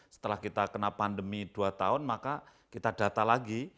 setelah kita kena pandemi dua tahun maka kita data lagi